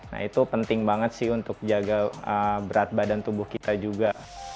nah itu penting banget sih untuk jaga berat badan tubuh kita juga